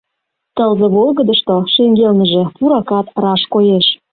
Тылзе волгыдышто шеҥгелныже пуракат раш коеш.